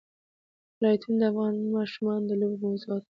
ولایتونه د افغان ماشومانو د لوبو موضوع ده.